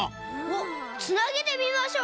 つなげてみましょう！